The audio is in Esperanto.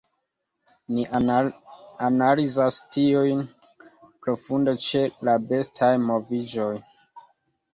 Ni analizas tiujn profunde ĉe la bestaj moviĝoj.